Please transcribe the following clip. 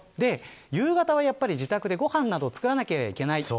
夕方は自宅でご飯などを作らなければいけない。